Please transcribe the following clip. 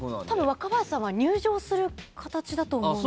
若林さんは入場する形だと思うので。